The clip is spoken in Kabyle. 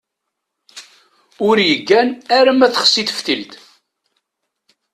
Ur yeggan ara ma texsi teftilt.